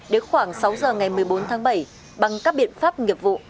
đến khoảng sáu giờ ngày một mươi bốn tháng bảy bằng các biện pháp nghiệp vụ